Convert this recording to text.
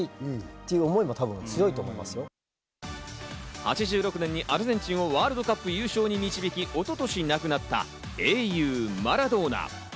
８６年にアルゼンチンをワールドカップ優勝に導き、一昨年亡くなった英雄・マラドーナ。